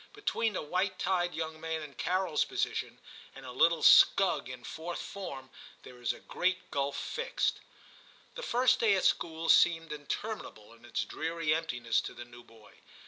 Between a white tied young man in Carol's position, and a little scug in Fourth Form there is a great gulf fixed. That first day at school seemed intermin able in its dreary emptiness to the new boy.